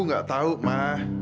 aku gak tahu ma